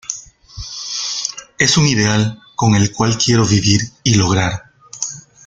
Es un ideal con el cual quiero vivir y lograr.